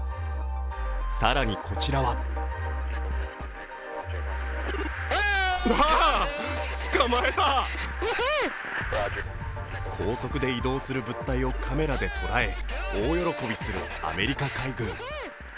更にこちらは高速で移動する物体をカメラで捉え、大喜びするアメリカ海軍。